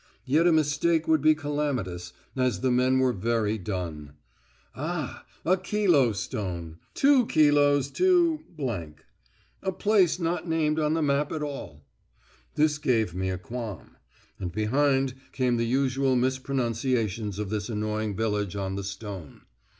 Yet a mistake would be calamitous, as the men were very done. Ah! a kilo stone! 'Two kilos to ,' a place not named on the map at all. This gave me a qualm; and behind came the usual mispronunciations of this annoying village on the stone.